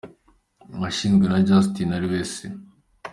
washinzwe na Justin ari we se.